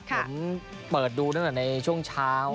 ผมเปิดดูตั้งแต่ในช่วงเช้า